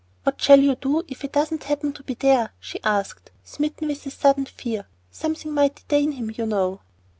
"What shall you do if he doesn't happen to be there?" she asked, smitten with a sudden fear. "Something might detain him, you know."